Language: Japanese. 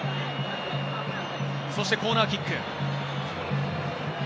そしてコーナーキック。